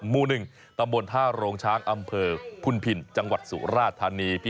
หมู่๑ตำบลท่าโรงช้างอำเภอพุนพินจังหวัดสุราธานี